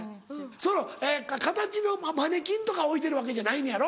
その形のマネキンとか置いてるわけじゃないのやろ？